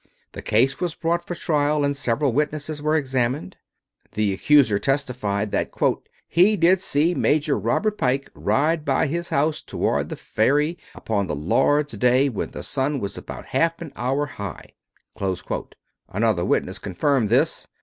The case was brought for trial, and several witnesses were examined. The accuser testified that "he did see Major Robert Pike ride by his house toward the ferry upon the Lord's day when the sun was about half an hour high." Another witness confirmed this.